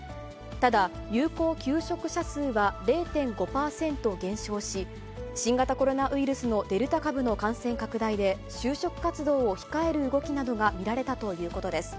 ただ、有効求職者数は０．５％減少し、新型コロナウイルスのデルタ株の感染拡大で、就職活動を控える動きなどが見られたということです。